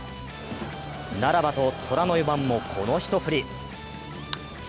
ならばと虎の４番も、この一振り。